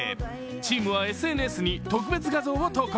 チームはＳＮＳに特別画像を投稿。